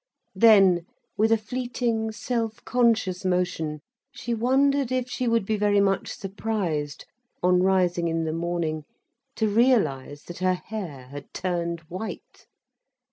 Then, with a fleeting self conscious motion, she wondered if she would be very much surprised, on rising in the morning, to realise that her hair had turned white.